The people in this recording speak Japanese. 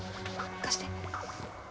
貸して。